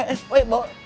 eh bawa silahkan